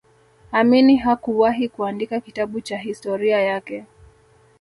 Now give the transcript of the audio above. Amini hakuwahi kuandika kitabu cha historia yake